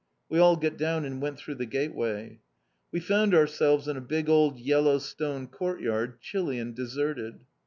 We all got down and went through the gateway. We found ourselves in a big old yellow stone courtyard, chilly and deserted.